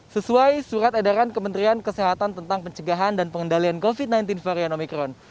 sesuai surat edaran kementerian kesehatan tentang pencegahan dan pengendalian covid sembilan belas varian omikron